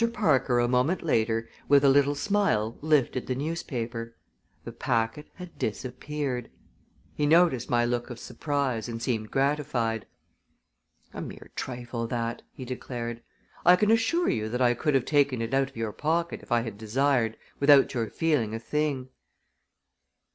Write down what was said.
Parker, a moment later, with a little smile lifted the newspaper. The packet had disappeared. He noticed my look of surprise and seemed gratified. "A mere trifle, that!" he declared. "I can assure you that I could have taken it out of your pocket, if I had desired, without your feeling a thing."